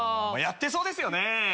やってそうですよねぇ。